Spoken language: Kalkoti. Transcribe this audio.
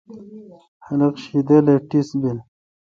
خلق شیدل اے ٹیس بیل۔